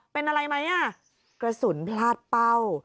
เป็นอะไรไหมอ่ะกระสุนพลาดเป้า